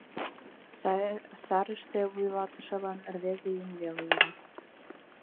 Сарыште вуйлатышылан рвезырак еҥ веле йӧра.